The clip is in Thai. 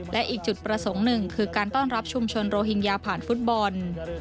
และอีกจุดประสงค์หนึ่งคือการต้อนรับชุมชนโรฮิงญาผ่านฟุตบอล